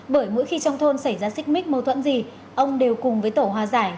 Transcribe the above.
bởi mỗi khi trong thôn xảy ra xích mích mâu thuẫn gì ông đều cùng với tổ hòa giải